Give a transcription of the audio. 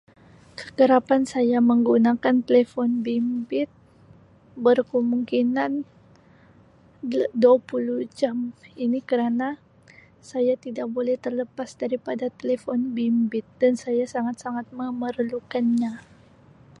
Kekerapan saya menggunakan telefon bimbit berkemungkinan dua puluh jam ini kerana saya tidak boleh terlepas daripada telefon bimbit dan saya sangat-sangat memerlukannya.